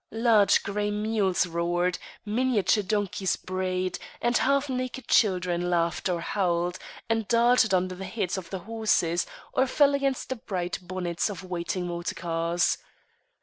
Large grey mules roared, miniature donkeys brayed, and half naked children laughed or howled, and darted under the heads of the horses, or fell against the bright bonnets of waiting motor cars.